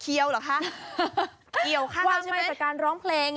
เกี่ยวข้าวใช่ไหมวางใหม่จากการร้องเพลง